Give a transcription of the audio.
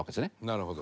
なるほど。